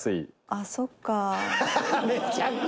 「ああそっか」